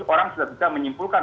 orang sudah bisa menyimpulkan